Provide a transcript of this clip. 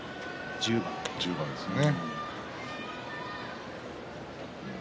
１０番ですね。